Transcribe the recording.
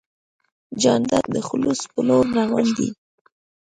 جانداد د خلوص په لور روان دی.